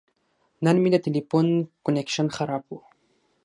نن مې د تلیفون کنکشن خراب و.